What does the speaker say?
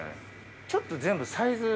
ちょっと全部サイズ。